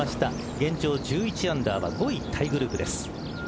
現状１１アンダーは５位タイグループです。